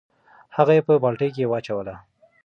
هغه یې په بالټي کې واچوله.